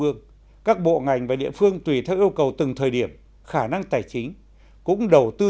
ương các bộ ngành và địa phương tùy theo yêu cầu từng thời điểm khả năng tài chính cũng đầu tư